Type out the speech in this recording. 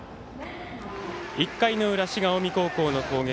１回の裏、滋賀、近江高校の攻撃。